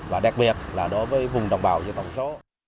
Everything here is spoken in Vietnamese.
và đặc biệt là đối với vùng đồng bào như tổng số